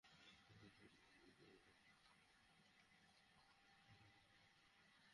তাঁকে সঙ্গ দিয়েছেন আরেক কণ্ঠশিল্পী, কান্ট্রি সংয়ের আরেক তারকা ব্র্যাড পেসলি।